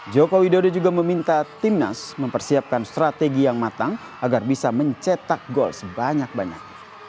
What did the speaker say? joko widodo juga meminta timnas mempersiapkan strategi yang matang agar bisa mencetak gol sebanyak banyak